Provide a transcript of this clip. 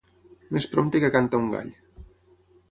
Més prompte que canta un gall.